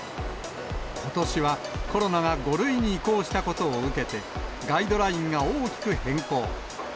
ことしはコロナが５類に移行したことを受けて、ガイドラインが大きく変更。